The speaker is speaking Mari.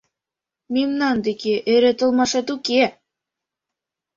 Мемнан деке эре толмашет уке!